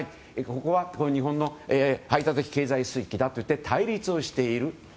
ここは日本の排他的経済水域だと言って対立をしている。